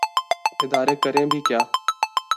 ادارے کریں بھی کیا۔